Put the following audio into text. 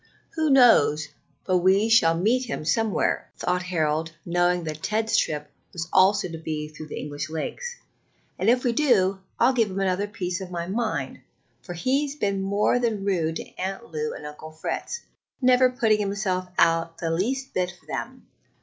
"Who knows but we shall meet him somewhere?" thought Harold, knowing that Ted's trip was also to be through the English Lakes; "and if we do, I'll give him another piece of my mind, for he's been more than rude to Aunt Lou and Uncle Fritz, never putting himself out the least bit for them.